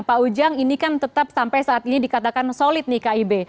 pak ujang ini kan tetap sampai saat ini dikatakan solid nih kib